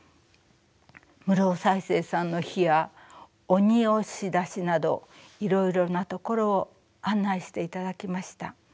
室生犀星さんの碑や鬼押出しなどいろいろなところを案内していただきました。